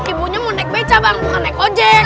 ibunya mau naik beca bang mau naik ojek